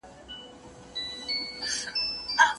زوی موزيم ته تللی و.